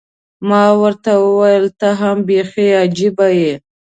ما ورته وویل، ته هم بیخي عجيبه یې.